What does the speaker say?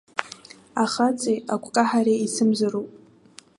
Ахаҵеи агәкаҳареи еицымзароуп.